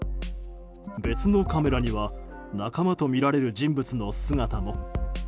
別のカメラには仲間とみられる人物の姿も。